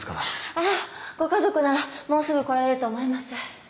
あっご家族ならもうすぐ来られると思います。